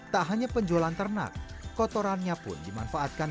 tak hanya penjualan ternak kotorannya pun dimanfaatkan